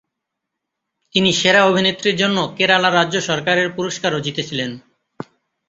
তিনি সেরা অভিনেত্রীর জন্য কেরালা রাজ্য সরকারের পুরস্কারও জিতেছিলেন।